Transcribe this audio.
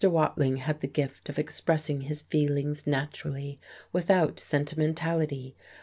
Watling had the gift of expressing his feelings naturally, without sentimentality.